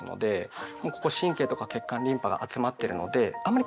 ここ神経とか血管リンパが集まってるのであんまり